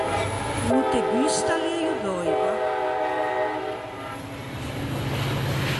O no te gusta l’euio d’öiva?